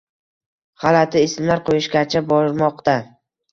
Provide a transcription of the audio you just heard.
g'alati ismlar qo'yishgacha bormoqda.